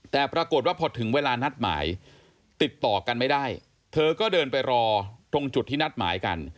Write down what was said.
แต่ปรากฏว่าพอถึงเวลานัดหมายติดต่อกันไม่ได้เธอก็เดินไปรอตรงจุดที่นัดหมายกัน